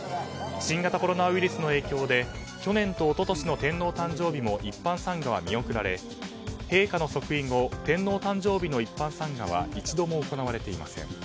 新型コロナウイルスの影響で去年と一昨年の天皇誕生日も一般参賀は見送られ陛下の即位後天皇誕生日の一般参賀は一度も行われていません。